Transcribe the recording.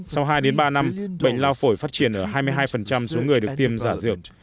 sau hai ba năm bệnh lao phổi phát triển ở hai mươi hai số người được tiêm giả dược